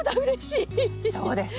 そうです。